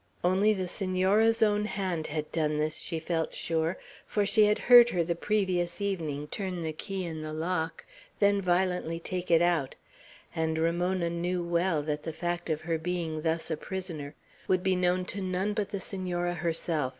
Only the Senora's own hand had done this, she felt sure, for she had heard her the previous evening turn the key in the lock, then violently take it out; and Ramona knew well that the fact of her being thus a prisoner would be known to none but the Senora herself.